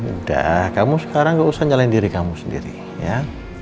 udah kamu sekarang gak usah nyalain diri kamu sendiri ya